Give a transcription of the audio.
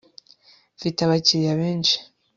mfite abakiriya benshi